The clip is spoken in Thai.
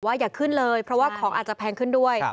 อย่าขึ้นเลยเพราะว่าของอาจจะแพงขึ้นด้วย